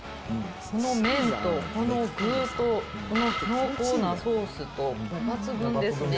この麺とこの具とこの濃厚なソースと、抜群ですね。